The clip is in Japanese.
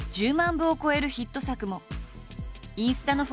部を超えるヒット作も。